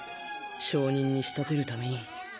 証人に仕立てるために。